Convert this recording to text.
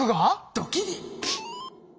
ドキリ。